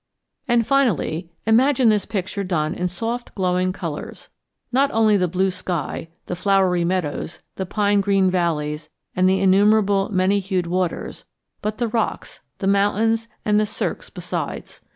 And finally imagine this picture done in soft glowing colors not only the blue sky, the flowery meadows, the pine green valleys, and the innumerable many hued waters, but the rocks, the mountains, and the cirques besides.